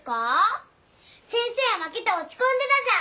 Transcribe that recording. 先生は負けて落ち込んでたじゃん。